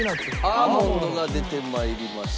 アーモンドが出て参りました。